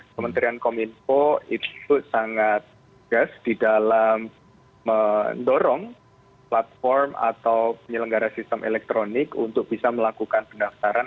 kementerian kominfo itu sangat gas di dalam mendorong platform atau penyelenggara sistem elektronik untuk bisa melakukan pendaftaran